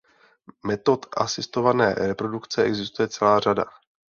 Metod asistované reprodukce existuje celá řada.